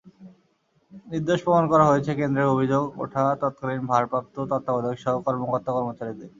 নির্দোষ প্রমাণ করা হয়েছে কেন্দ্রের অভিযোগ ওঠা তত্কালীন ভারপ্রাপ্ত তত্ত্বাবধায়কসহ কর্মকর্তা-কর্মচারীদের।